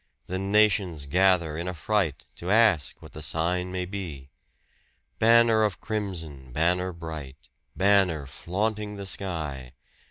The nations gather in affright to ask what the sign may be. Banner of crimson, banner bright, banner flaunting the sky!